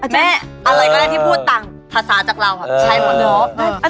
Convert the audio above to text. แม่อะไรก็ได้ที่พูดต่างภาษาจากเราใช้หมดแล้ว